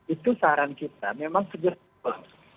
itu saran kita memang segera turun